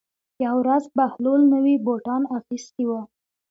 یوه ورځ بهلول نوي بوټان اخیستي وو.